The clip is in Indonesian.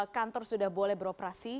kantor sudah boleh beroperasi